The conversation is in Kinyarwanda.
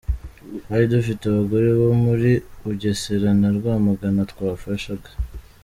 Twari dufite abagore bo muri Bugesera na Rwamagana twafashaga.